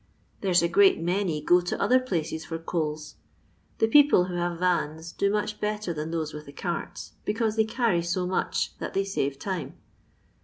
There 's a great many go to other places for coahL The people who have vans do much bettor than those with the carts, because they carry so mndi that they save time.